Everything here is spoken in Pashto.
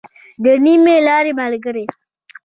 د نيمې لارې ملګری.